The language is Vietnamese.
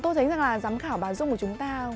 tôi thấy rằng là giám khảo bà dung của chúng ta